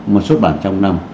mà xuất bản trong năm